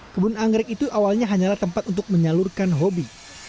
kebun anggrek itu awalnya hanyalah tempat untuk menyalurkan hobi